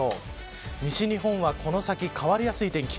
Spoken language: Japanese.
西日本はこの先、変わりやすい天気。